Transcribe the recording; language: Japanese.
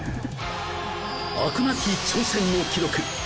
飽くなき挑戦の記録